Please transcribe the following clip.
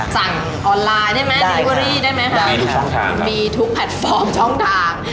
สั่งออนไลน์ได้ไหมมีทุกแค่ทั่วทาง